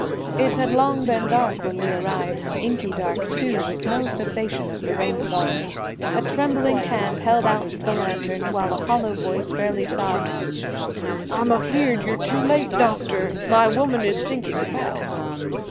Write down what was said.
It had long been dark when we arrived inky dark, too, with no cessation of the rainfall. A trembling hand held out a lantern while a hollow voice fairly sobbed: "I'm afeard ye're too late, doctor, my woman is sinking fast."